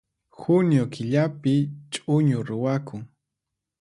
Junio killapi ch'uñu ruwakun